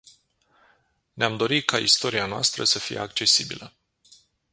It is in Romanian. Ne-am dori ca istoria noastră să fie accesibilă.